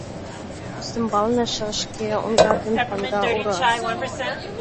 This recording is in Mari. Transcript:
Ӱстембалне шашке оҥа ден паҥга ора.